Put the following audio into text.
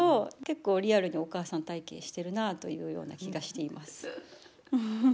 結構リアルにお母さん体験してるなというような気がしています。